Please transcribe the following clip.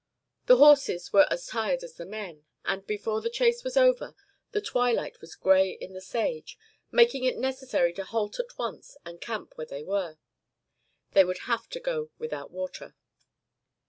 The horses were as tired as the men, and, before the chase was over, the twilight was gray in the sage, making it necessary to halt at once and camp where they were. They would have to go without water.